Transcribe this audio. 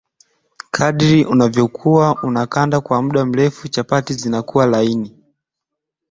Kadiri unavyokanda kwa muda mrefu chapati zitakuwa laini